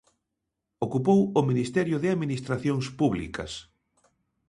Ocupou o ministerio de Administracións Públicas.